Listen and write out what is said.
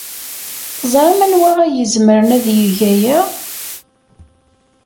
Teẓram anwa ay izemren ad yeg aya?